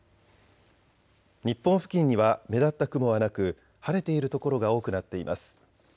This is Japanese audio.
日本付近には目立った雲はなく晴れている所が多くなっています。